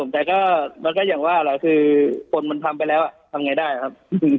แต่ก็มันก็อย่างว่าแหละคือคนมันทำไปแล้วทำไงได้ครับ